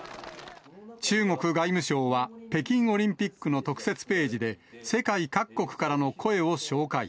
中国外務省は北京オリンピックの特設ページで、世界各国からの声